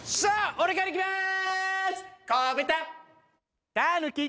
俺からいきます！